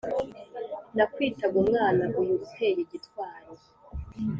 Nakwitaga umwanaUyu uteye gitwari